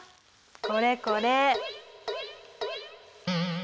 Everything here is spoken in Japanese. これこれ！